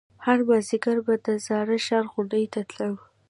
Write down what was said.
هر مازديگر به د زاړه ښار غونډۍ ته تلم.